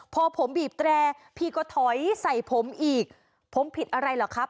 พอผมบีบแตรพี่ก็ถอยใส่ผมอีกผมผิดอะไรเหรอครับ